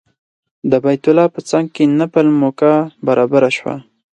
د بیت الله په څنګ کې نفل موقع برابره شوه.